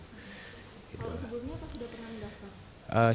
kalau sebelumnya sudah pernah mendatang